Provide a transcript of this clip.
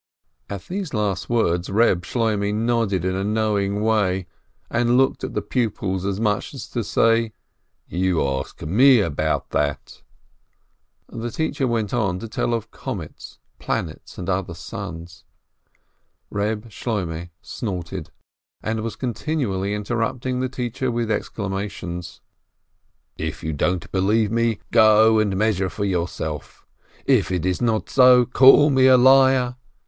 At these last words Reb Shloimeh nodded in a know ing way, and looked at the pupils as much as to say, "You ask me about that !" The teacher went on to tell of comets, planets, and other suns. Reb Shloimeh snorted, and was continually interrupting the teacher with exclamations. "If you don't believe me, go and measure for yourself !"— "If it is not so, call me a liar!"